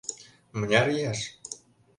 Мыняр ияш?